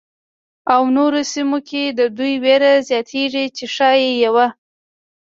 او نورو سیمو کې د دې وېره زیاتېږي چې ښايي یوه.